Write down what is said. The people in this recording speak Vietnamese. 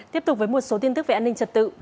tiếp tục với một số tin tức về an ninh trật tự